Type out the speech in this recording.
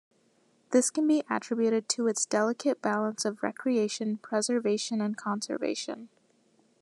This can be attributed to its delicate balance of recreation, preservation, and conservation.